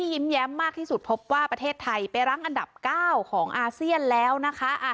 ยิ้มแย้มมากที่สุดพบว่าประเทศไทยไปรั้งอันดับ๙ของอาเซียนแล้วนะคะ